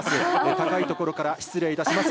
高い所から失礼いたします。